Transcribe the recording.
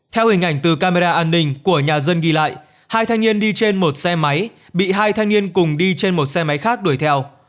theo hình ảnh từ camera an ninh của nhà dân ghi lại hai thanh niên đi trên một xe máy bị hai thanh niên cùng đi trên một xe máy khác đuổi theo